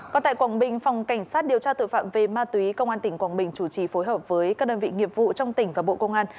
còn tại quảng bình phòng cảnh sát điều tra tội phạm về ma túy công an tỉnh quảng bình chủ trì phối hợp với các đơn vị nghiệp vụ trong tỉnh và bộ công an